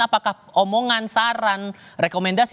apakah omongan saran rekomendasi